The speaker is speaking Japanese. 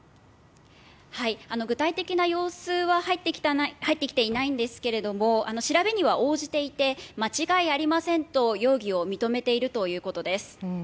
具体的な様子は入ってきていないんですけれども調べには応じていて間違いありませんと容疑を認めているということです。